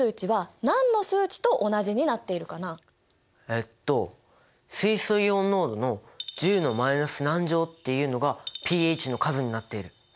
えっと水素イオン濃度の１０のマイナス何乗っていうのがｐＨの数になっている。